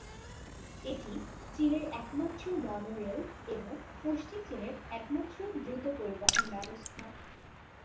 এটি চীনের একমাত্র মনোরেল এবং পশ্চিম চীনের একমাত্র দ্রুত পরিবহন ব্যবস্থা।